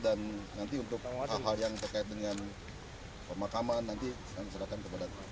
dan nanti untuk hal hal yang terkait dengan pemakaman nanti akan diserahkan kepada keluarga saja